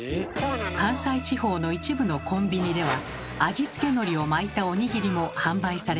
関西地方の一部のコンビニでは味付けのりを巻いたおにぎりも販売されています。